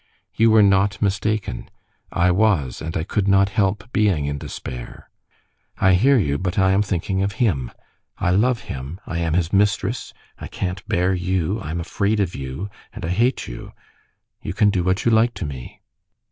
"You were not mistaken. I was, and I could not help being in despair. I hear you, but I am thinking of him. I love him, I am his mistress; I can't bear you; I'm afraid of you, and I hate you.... You can do what you like to me."